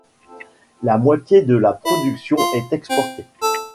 La moitié de la production est exportée.